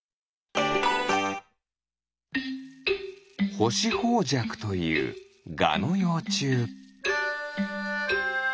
ホシホウジャクというガのようちゅう。